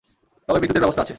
তবে বিদ্যুতের ব্যবস্থা আছে।